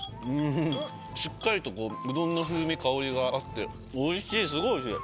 しっかりとこううどんの風味香りがあっておいしいすごいおいしい。